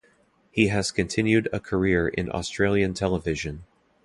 He has continued a career in Australian television.